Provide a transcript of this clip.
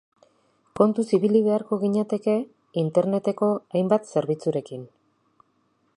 Kontuz ibili beharko ginateke Interneteko hainbat zerbitzurekin.